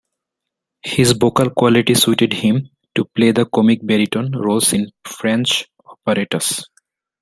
His vocal quality suited him to play the comic baritone roles in French operettas.